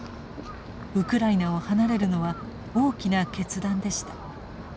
ウクライナを離れるのは大きな決断でした。